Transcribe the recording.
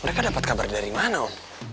mereka dapat kabar dari mana om